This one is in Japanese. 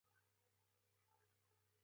これ、早く終わらないかな。